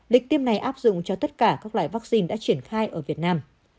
lịch tiêm này áp dụng cho tất cả các loại vaccine đã triển khai ở việt nam